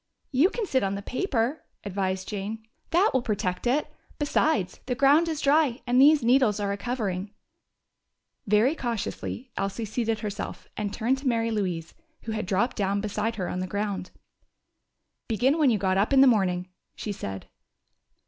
"You can sit on the paper," advised Jane. "That will protect it. Besides, the ground is dry, and these needles are a covering." Very cautiously Elsie seated herself, and turned to Mary Louise, who had dropped down beside her on the ground. "Begin when you got up in the morning," she said.